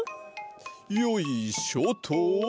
よいしょと！